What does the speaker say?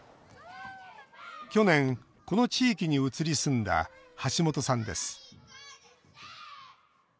去年、この地域に移り住んだ橋本さんです。